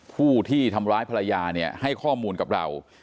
ผู้ที่ทำร้ายภรรยาเนี่ยให้ข้อมูลกับเรา